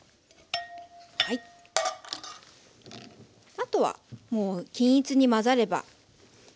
あとはもう均一に混ざればできます。